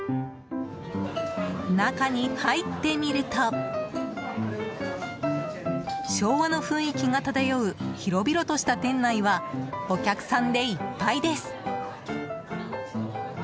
中に入ってみると昭和の雰囲気が漂う広々とした店内はお客さんでいっぱいです。